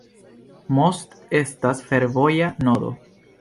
Most estas fervoja nodo.